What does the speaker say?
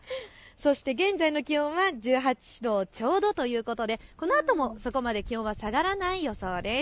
そして現在の気温は１８度ちょうどということでこのあともそこまで気温は下がらない予想です。